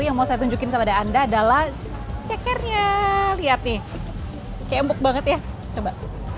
yang mau saya tunjukin kepada anda adalah cekernya lihat nih kayak empuk banget ya coba